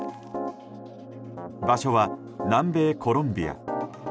場所は、南米コロンビア。